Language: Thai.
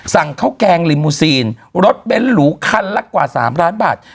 สั่งข้าวแกงลิมูซีนรถเบ้นหรูคันละกว่า๓ล้านบาท